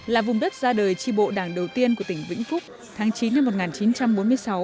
là vùng đất ra đời tri bộ đảng đầu tiên của tỉnh vĩnh phúc tháng chín năm một nghìn chín trăm bốn mươi sáu